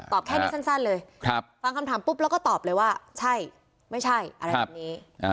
แค่นี้สั้นเลยฟังคำถามปุ๊บแล้วก็ตอบเลยว่าใช่ไม่ใช่อะไรแบบนี้